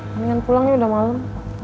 mendingan pulang ya udah malem